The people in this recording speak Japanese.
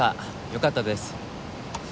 よかったです。